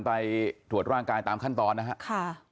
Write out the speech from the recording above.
ไปตรวจร่างกายตามขั้นตอนนะครับ